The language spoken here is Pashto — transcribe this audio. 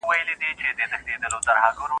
گيله دي د چا سي، چي دي تما سي.